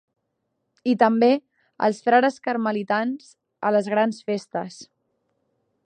I també els frares carmelitans, a les grans festes.